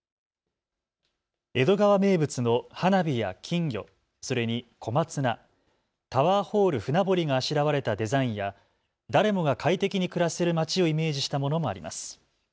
江戸川名物の花火や金魚、それに小松菜、タワーホール船堀があしらわれたデザインや誰もが快適に暮らせるまちをイメージしたものもあります。